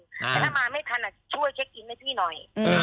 แต่ถ้ามาไม่ทันช่วยเช็คอินให้พี่หน่อย